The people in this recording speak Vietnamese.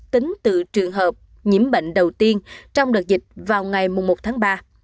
tính từ trường hợp nhiễm bệnh đầu tiên trong đợt dịch vào ngày một tháng ba